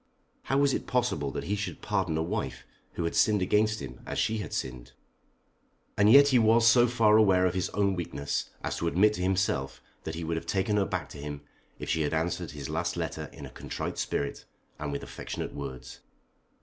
How was it possible that he should pardon a wife who had sinned against him as she had sinned? And yet he was so far aware of his own weakness, as to admit to himself that he would have taken her back to him if she had answered his last letter in a contrite spirit and with affectionate words.